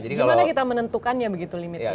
di mana kita menentukannya begitu limitnya